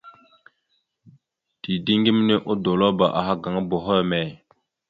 Dideŋ geme odolabáaha gaŋa boho emey ?